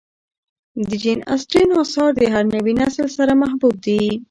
د جین اسټن آثار د هر نوي نسل سره محبوب دي.